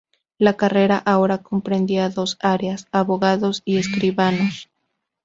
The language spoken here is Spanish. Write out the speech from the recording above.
La carrera ahora comprendía dos áreas: Abogados y Escribanos.